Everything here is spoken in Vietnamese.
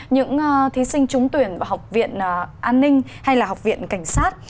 những thí sinh trúng tuyển vào học viện an ninh hay là học viện cảnh sát